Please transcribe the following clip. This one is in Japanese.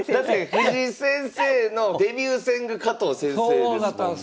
藤井先生のデビュー戦が加藤先生ですもんね。